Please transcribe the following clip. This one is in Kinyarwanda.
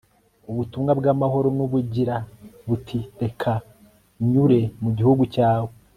ubutumwa bw amahoro n bugira buti reka nyure mu gihugu cyawe